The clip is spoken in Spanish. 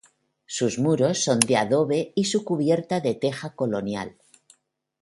Sus muros son de adobe y su cubierta de teja colonial.